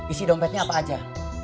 isi dompetnya apa aja